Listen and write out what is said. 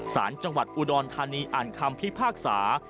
สารจังหวัดอุดรธานีอ่านคำพิพากษา